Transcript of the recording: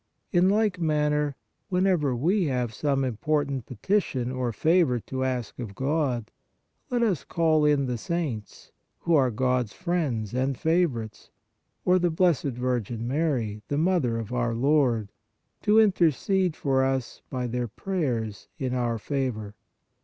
In like manner, whenever we have some important petition or favor to ask of God, let us call in the saints, who are God s friends and favorites, or the Blessed Virgin Mary, "the Mother of our Lord," to intercede for us by their prayers in our favor.